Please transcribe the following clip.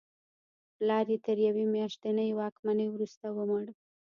پلار یې تر یوې میاشتنۍ واکمنۍ وروسته ومړ.